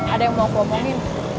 ada yang mau aku omongin